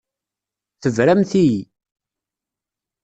Tebramt-iyi.